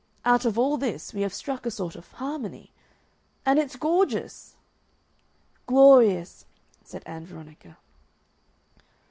Out of all this we have struck a sort of harmony.... And it's gorgeous!" "Glorious!" said Ann Veronica.